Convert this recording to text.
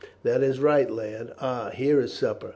"That is right, lad. Ah, here is supper.